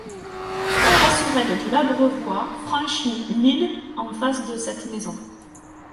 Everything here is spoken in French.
La passerelle de l'Abreuvoir franchit l'Ill en face de cette maison.